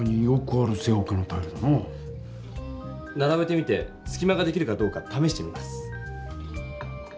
ならべてみてすきまができるかどうかためしてみます。